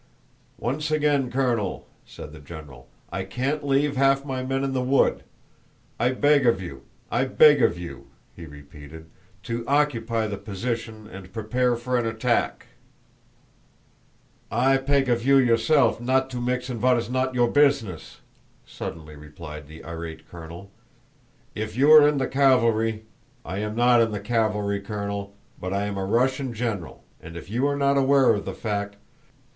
"Once again, Colonel," said the general, "I can't leave half my men in the wood. I beg of you, I beg of you," he repeated, "to occupy the position and prepare for an attack." "I peg of you yourself not to mix in vot is not your business!" suddenly replied the irate colonel. "If you vere in the cavalry..." "I am not in the cavalry, Colonel, but I am a Russian general and if you are not aware of the fact..."